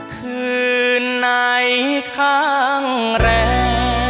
คืนนายข้างแรก